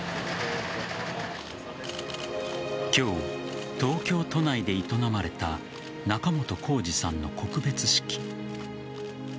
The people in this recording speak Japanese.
今日、東京都内で営まれた仲本工事さんの告別式。